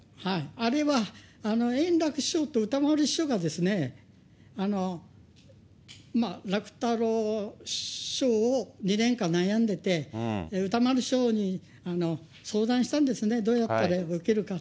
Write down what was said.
あれは、円楽師匠と歌丸師匠が楽太郎師匠を２年間、悩んでて、歌丸師匠に相談したんですね、どうやったら動けるか。